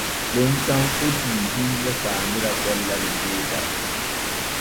Ɗon tan fitii himɓe faamira gollal geetal.